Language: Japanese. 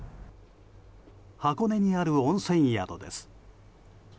箱根にある温泉宿です。